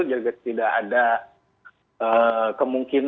juga tidak ada kemungkinan